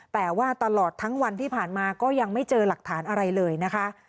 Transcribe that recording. แต่ว่าตลอดทั้งวันที่ผ่านมาก็ยังไม่เจอหลักฐานอะไรเลยนะคะ